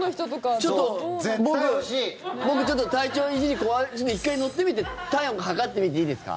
ちょっと僕体調、一時壊して１回乗ってみて体温測ってみていいですか？